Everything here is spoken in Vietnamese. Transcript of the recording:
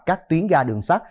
các tuyến gà đường sắt